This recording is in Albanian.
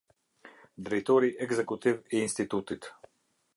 Drejtori Ekzekutiv i Institutit.